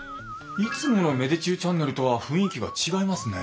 いつもの芽出中チャンネルとは雰囲気が違いますね。